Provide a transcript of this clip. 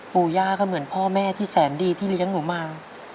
ปู่ย่าก็เหมือนพ่อแม่ที่แสนดีที่เลี้ยงหนูมา